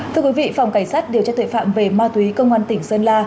thưa quý vị phòng cảnh sát điều tra tuệ phạm về ma túy công an tỉnh sơn la